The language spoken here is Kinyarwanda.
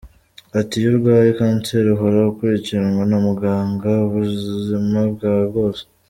Ati “ Iyo urwaye kanseri uhora ukurikiranwa na muganga ubuzima bwawe bwose.